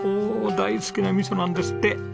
大好きな味噌なんですって！